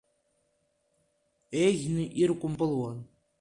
Еиӷьны иркәымпылуан…